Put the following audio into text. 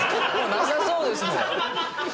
なさそうですもん！